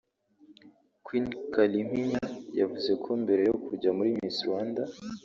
Queen Kalimpinya yavuze ko mbere yo kujya muri Miss Rwanda